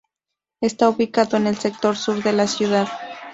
Está ubicado en el sector sur de la ciudad.